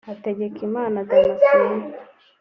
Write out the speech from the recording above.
Hategekimana Damascene